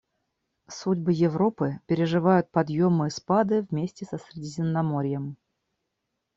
Судьбы Европы переживают подъемы и спады вместе со Средиземноморьем.